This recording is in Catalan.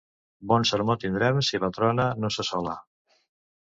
Bon sermó tindrem si la trona no s'assola.